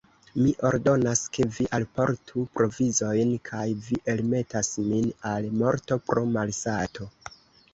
Mi ordonas, ke vi alportu provizojn, kaj vi elmetas min al morto pro malsato!